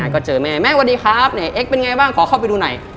ก็เจอแม่แม่สวัสดีครับไหนเอ็กเป็นไงบ้างขอเข้าไปดูหน่อย